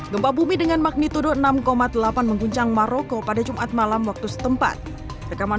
gempa bumi dengan magnitudo enam delapan mengguncang maroko pada jumat malam waktu setempat rekaman